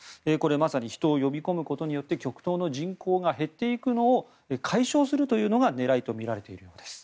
まさに人を呼び込むことによって極東の人口が減っていくのを解消するのが狙いとみられているんです。